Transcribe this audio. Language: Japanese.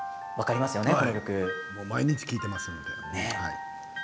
毎日、聴いていますので。